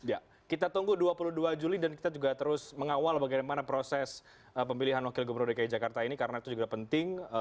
ya kita tunggu dua puluh dua juli dan kita juga terus mengawal bagaimana proses pemilihan wakil gubernur dki jakarta ini karena itu juga penting